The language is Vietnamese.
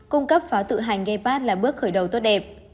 cung cấp pháo tự hành gapat là bước khởi đầu tốt đẹp